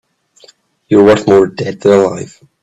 You're worth more dead than alive.